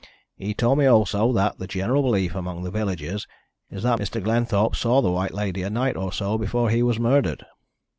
He told me also that the general belief among the villagers is that Mr. Glenthorpe saw the White Lady a night or so before he was murdered."